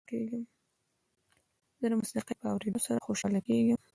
زه د موسیقۍ په اورېدو سره خوشحاله کېږم.